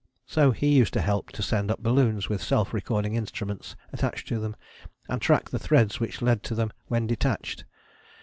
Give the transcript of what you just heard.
So he used to help to send up balloons with self recording instruments attached to them, and track the threads which led to them when detached.